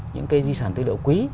những cái di sản thư liệu quý